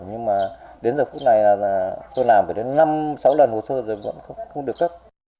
nhưng mà đến giờ phút này là tôi làm phải đến năm sáu lần hồ sơ rồi vẫn không được cấp